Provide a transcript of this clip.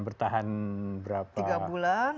bertahan berapa tiga bulan